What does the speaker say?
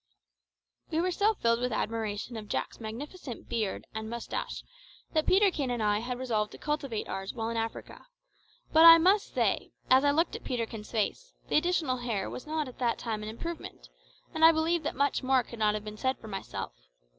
We were so filled with admiration of Jack's magnificent beard and moustache, that Peterkin and I had resolved to cultivate ours while in Africa; but I must say that, as I looked at Peterkin's face, the additional hair was not at that time an improvement, and I believe that much more could not have been said for myself.